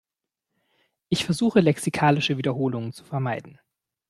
Ich versuche, lexikalische Wiederholungen zu vermeiden.